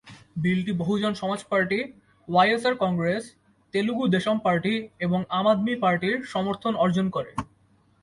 বিলটি Bahujan Samaj party, YSR Congress, Telugu Desam party এবং আম আদমি পার্টির সমর্থন অর্জন করে।